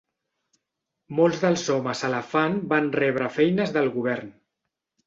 Molts dels homes elefant van rebre feines del govern.